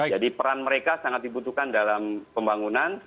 jadi peran mereka sangat dibutuhkan dalam pembangunan